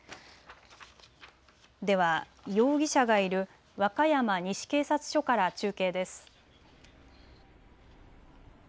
では容疑者がいる和歌山西警察署から中継です。